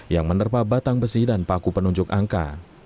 yang menerpa batang besi dan paku penunjuk angka